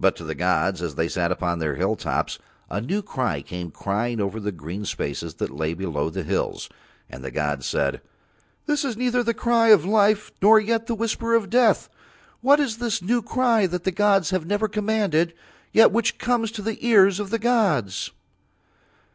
But to the gods as They sat upon Their hilltops a new cry came crying over the green spaces that lay below the hills, and the gods said: "This is neither the cry of life nor yet the whisper of death. What is this new cry that the gods have never commanded, yet which comes to the ears of the gods?"